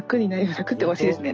楽っておかしいですね。